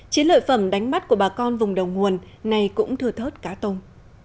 chế lợi phẩm đánh bắt của bà con vùng đầu nguồn này cũng thừa thớt cá tông